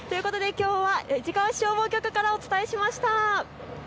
きょうは市川市消防局からお伝えしました。